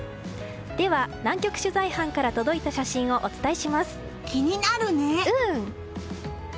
では南極取材班から届いた写真を気になるね！